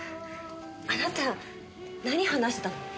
あなた何話したの？